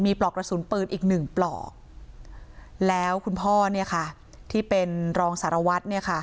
มีปลอกตสุนปืนอีกหนึ่งแล้วคุณพ่อนี้ค่ะที่เป็นรองสารวัตรค่ะ